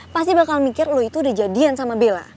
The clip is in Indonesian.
pasti bakal mikir loh itu udah jadian sama bella